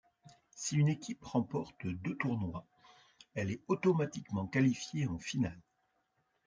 Si une équipe remporte deux tournois elle est automatiquement qualifiée en finale.